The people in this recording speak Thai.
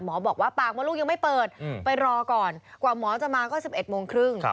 บอกว่าปากมดลูกยังไม่เปิดไปรอก่อนกว่าหมอจะมาก็๑๑โมงครึ่ง